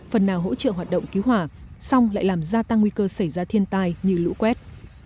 phần nào hỗ trợ hoạt động cứu hỏa xong lại làm gia tăng nguy cơ xảy ra thiên tai như lũ quét